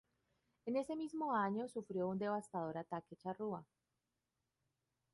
Ese mismo año sufrió un devastador ataque charrúa.